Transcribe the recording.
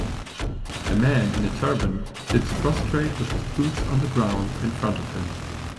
A man in a turban sits prostrate with his boots on the ground in front of him.